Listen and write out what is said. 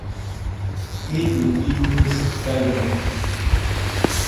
He will be missed by many.